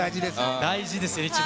大事です、一番。